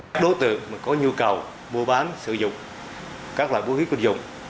các đối tượng có nhu cầu mua bán sử dụng các loại vũ khí quân dụng